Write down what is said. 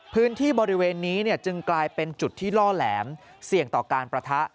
พื้นที่บริเวณนี้จึงกลายเป็นจุดที่ล่อแหลมเสี่ยงต่อการประทะ